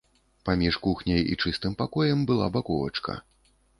Паміж кухняй і чыстым пакоем была баковачка.